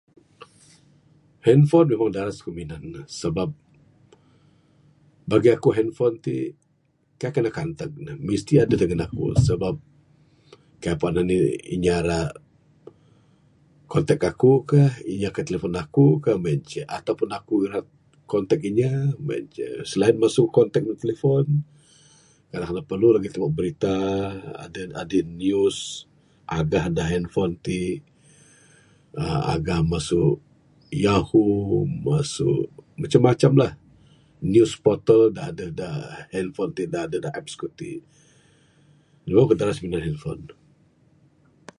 Handphone memang daras ku minan ne sebab bagi aku handphone ti kaik kanan kanteg ne mesti adeh dangan aku sebab kaik puan anih inya ra contact aku ka, inya Akan telephone aku meng en ce ato pun aku ra contact inya meng en ce. Selain masu contact da telephone memang perlu lagih tubek berita adeh news agah da handphone ti agah masu Yahoo masu macam macam lah news photo da adeh da handphone ti da apps ku ti. Memang ku daras minan handphone.